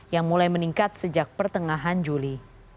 yang mulai meningkat sejak pertengahan juli